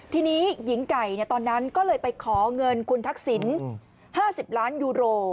ทีนี้หญิงไก่ตอนนั้นก็เลยไปขอเงินคุณทักษิณ๕๐ล้านยูโร